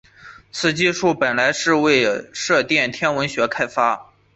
此技术本来是为射电天文学开发。